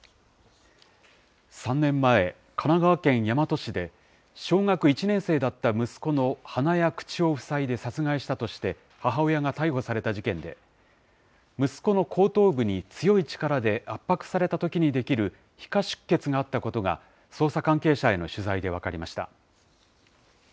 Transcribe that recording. ３年前、神奈川県大和市で、小学１年生だった息子の鼻や口を塞いで殺害したとして、母親が逮捕された事件で、息子の後頭部に強い力で圧迫されたときに出来る皮下出血があったことが、捜査関係者への取材で分かりました。